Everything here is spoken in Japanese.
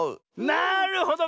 なるほど。